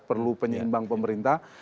perlu penyeimbang pemerintah